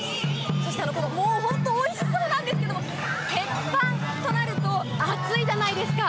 そして、もう本当、おいしそうなんですけれども、鉄板となると、あついじゃないですか。